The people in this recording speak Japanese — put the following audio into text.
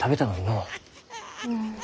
うん。